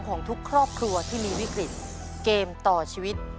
ของทุกครอบครัวที่มีวิกฤตเกมต่อชีวิต